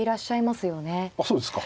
あっそうですか。